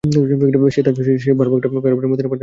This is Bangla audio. সে বার বার ঘাড় ফিরিয়ে মদীনার পানে তাকাচ্ছিল।